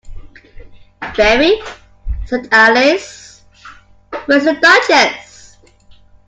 ‘Very,’ said Alice: ‘—where’s the Duchess?’